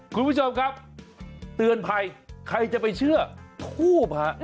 คุณผู้ชมครับเตือนภัยใครจะไปเชื่อทูบฮะ